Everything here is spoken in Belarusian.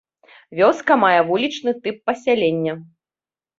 Вёска мае вулічны тып пасялення.